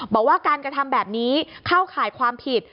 บอกว่าการกระทำแบบนี้เข้าข่ายความผิด